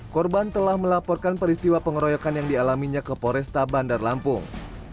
korban telah melaporkan peristiwa pengeroyokan yang dialaminya ke poresta bandar lampung